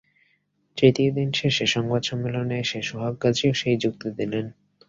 তৃতীয় দিন শেষে সংবাদ সম্মেলনে এসে সোহাগ গাজীও সেই যুক্তি দিলেন।